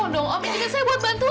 om biar saya bantu om